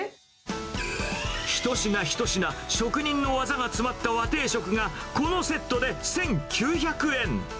一品一品、職人の技が詰まった和定食が、このセットで１９００円。